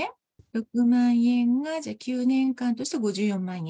６万円が９年間として５４万円。